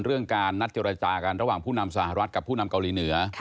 เรื่องการนัดเจรจากันระหว่างผู้นำสหรัฐกับผู้นำเกาหลีเหนือ